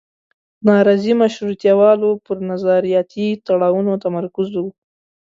نارضي مشروطیه والو پر نظریاتي تړاوونو تمرکز و.